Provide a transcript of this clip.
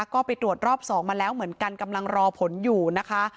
ก็ไปตรวจรอบ๒มาแล้วเหมือนกันกำลังรอผลอยู่นะคะ